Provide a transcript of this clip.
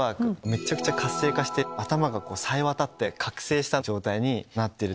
めちゃくちゃ活性化して頭がさえ渡って覚醒した状態になっている。